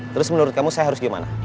terus menurut kamu saya harus gimana